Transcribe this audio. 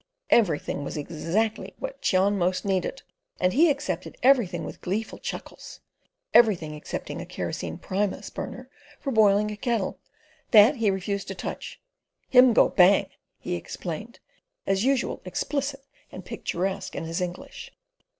Everything was exactly what Cheon most needed, and he accepted everything with gleeful chuckles—everything excepting a kerosene Primus burner for boiling a kettle. That he refused to touch. "Him go bang," he explained, as usual explicit and picturesque in his English.